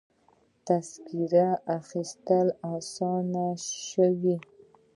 د تذکرو اخیستل اسانه شوي؟